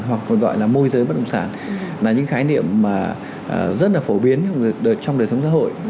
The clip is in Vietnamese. hoặc còn gọi là môi giới bất động sản là những khái niệm mà rất là phổ biến trong đời sống xã hội